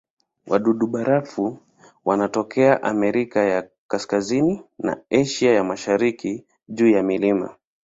Wadudu-barafu wanatokea Amerika ya Kaskazini na Asia ya Mashariki juu ya milima.